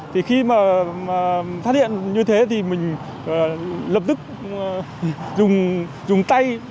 thì khi mà phát hiện như thế thì mình lập tức dùng tay